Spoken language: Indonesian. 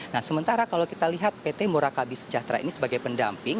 nah sementara kalau kita lihat pt murakabi sejahtera ini sebagai pendamping